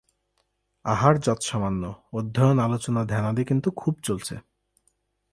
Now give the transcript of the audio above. আহার যৎসামান্য, অধ্যয়ন আলোচনা ধ্যানাদি কিন্তু খুব চলছে।